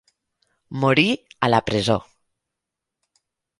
Morí a la presó.